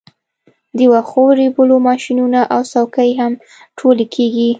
د واښو ریبلو ماشینونه او څوکۍ هم ټولې کیږي